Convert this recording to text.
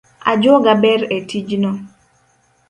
Ajuoga ber etijno